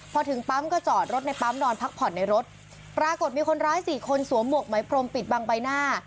พอถึงปั๊มก็จอดรถในปั๊มนอนพักผ่อนในรถปรากฏมีคนร้ายสี่คนสวมหวกไหมพรมปิดบังใบหน้า